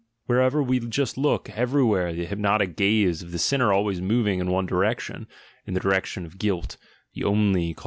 — wherever we just look, everywhere the hypnotic gaze of the sinner always moving in one direction (in the direction of guilt, the Old i .